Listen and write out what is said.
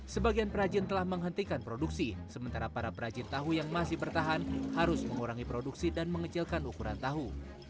sebagian perajin telah menghentikan produksi sementara para perajin tahu yang masih bertahan harus mengurangi produksi dan mengecilkan ukuran tahu